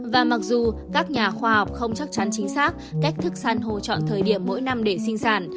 và mặc dù các nhà khoa học không chắc chắn chính xác cách thức săn hô chọn thời điểm mỗi năm để sinh sản